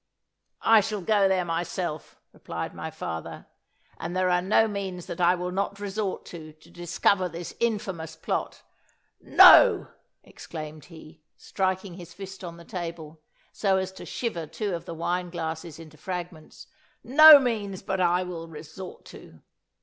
"I shall go there myself," replied my father: "and there are no means that I will not resort to, to discover this infamous plot. No," exclaimed he, striking his fist on the table, so as to shiver two of the wine glasses into fragments "no means but I will resort to."